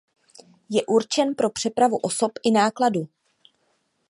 Je určen pro přepravu osob i nákladu.